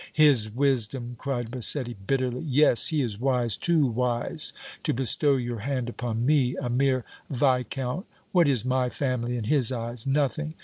"His wisdom!" cried Massetti, bitterly. "Yes, he is wise, too wise to bestow your hand upon me, a mere Viscount! What is my family in his eyes? Nothing.